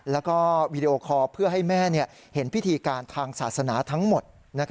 แล้วก็วีดีโอคอร์เพื่อให้แม่เห็นพิธีการทางศาสนาทั้งหมด